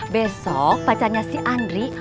besok pacarnya si andries